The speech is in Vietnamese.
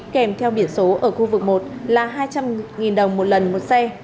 kèm theo biển số ở khu vực một là hai trăm linh đồng một lần một xe